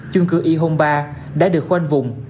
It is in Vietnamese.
chung cư y hôn ba đã được khoanh vùng